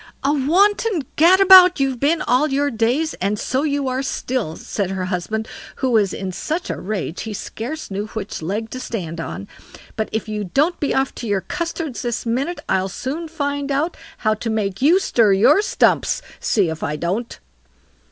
"A wanton gadabout you've been all your days, and so you are still", said her husband, who was in such a rage he scarce knew which leg to stand on; "but if you don't be off to your custards this minute, I'll soon find out how to make you stir your stumps; see if I don't."